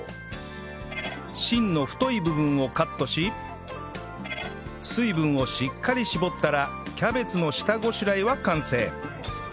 芯の太い部分をカットし水分をしっかり絞ったらキャベツの下ごしらえは完成